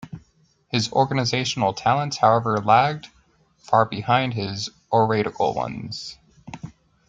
His organizational talents, however, lagged far behind his oratorical ones.